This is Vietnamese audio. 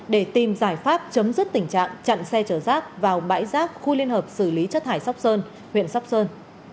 để tìm giải pháp chấm dứt tình trạng chặn xe chở rác vào bãi rác khu liên hợp xử lý chất thải sóc sơn huyện sóc sơn